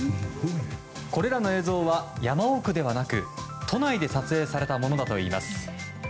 これらの映像は山奥ではなく都内で撮影されたものだといいます。